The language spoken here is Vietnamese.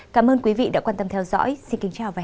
cảm ơn quý vị đã quan tâm theo dõi xin kính chào và hẹn gặp lại